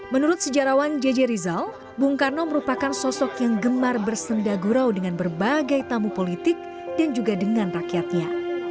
menurut sejarawan jj rizal bung karno merupakan sosok yang gemar bersendagurau dengan berbagai tamu politik dan juga dengan rakyatnya